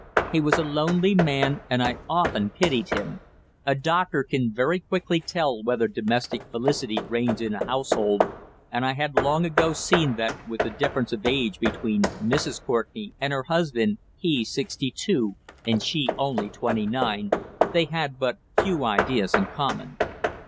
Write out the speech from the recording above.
He was a lonely man, and I often pitied him. A doctor can very quickly tell whether domestic felicity reigns in a household, and I had long ago seen that with the difference of age between Mrs. Courtenay and her husband he sixty two and she only twenty nine they had but few ideas in common.